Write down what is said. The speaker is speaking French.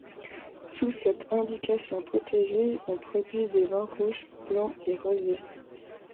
Sous cette indication protégée on produit des vins rouges, blancs et rosés.